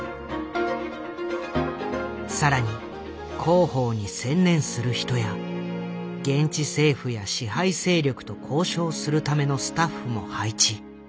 更に広報に専念する人や現地政府や支配勢力と交渉するためのスタッフも配置。